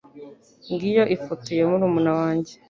Ngiyo ifoto ya murumuna wanjye.